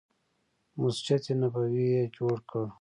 مسجد نبوي یې جوړ کړ.